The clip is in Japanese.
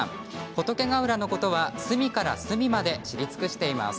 仏ヶ浦のことは隅から隅まで知り尽くしています。